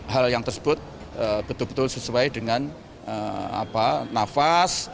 hal yang tersebut betul betul sesuai dengan nafas